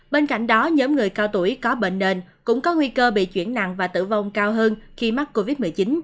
bên cạnh đó nhóm người cao tuổi có bệnh nền cũng có nguy cơ bị chuyển nặng và tử vong cao hơn khi mắc covid một mươi chín